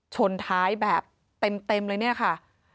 ชนท้ายแบบเต็มเลยเนี่ยค่ะ